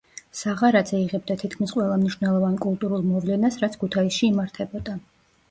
საღარაძე იღებდა თითქმის ყველა მნიშვნელოვან კულტურულ მოვლენას, რაც ქუთაისში იმართებოდა.